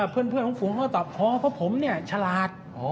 เพื่อนของฝูงเขาก็ตอบพอเพราะผมเนี่ยฉลาด